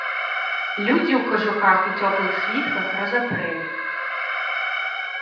Людзі ў кажухах і цёплых світках разапрэлі.